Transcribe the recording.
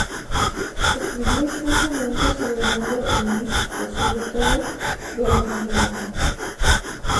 Escribió extensamente sobre el mundo helenístico, sobre todo de Alejandro Magno.